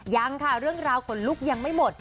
ยังค่ะเรื่องราวขนลุกยังไม่หมด